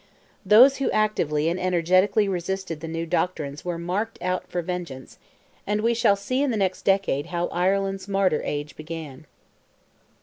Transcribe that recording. Those who actively and energetically resisted the new doctrines were marked out for vengeance, and we shall see in the next decade how Ireland's martyr age began.